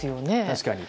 確かに。